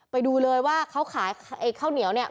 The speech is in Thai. ไปดูเลยว่าเขาขายไอ้ข้าวเหนียวเนี่ย